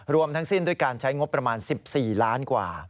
รวมทั้งสิ้นด้วยการใช้งบประมาณ๑๔ล้านกว่า